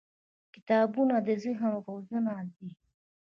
• کتابونه د ذهن وزرونه دي.